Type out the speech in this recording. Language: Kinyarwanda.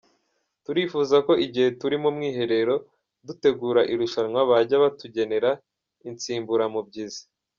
Turifuza ko igihe turi mu mwiherero dutegura irushanwa bajya batugenera insimburamubyizi.